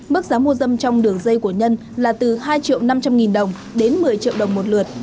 mức giá mua dâm trong đường dây của nhân là từ hai triệu năm trăm linh nghìn đồng đến một mươi triệu đồng một lượt